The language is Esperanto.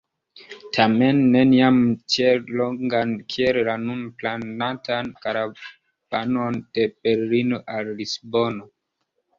Tamen neniam tiel longan kiel la nun planatan karavanon de Berlino al Lisbono.